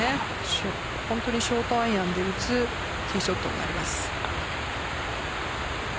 ショートアイアンで打つティーショットになります。